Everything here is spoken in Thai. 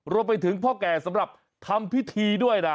รวมไปถึงพ่อแก่สำหรับทำพิธีด้วยนะ